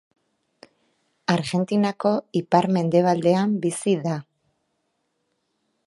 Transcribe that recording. Argentinako ipar-mendebaldean bizi da.